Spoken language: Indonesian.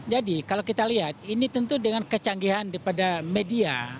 jadi kalau kita lihat ini tentu dengan kecanggihan daripada media